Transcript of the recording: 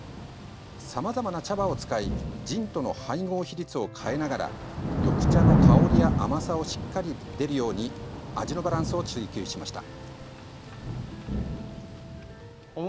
さまざまな茶葉を使いジンとの配合比率を変えながら緑茶の香りや甘さがしっかり出るように味のバランスを追求しました。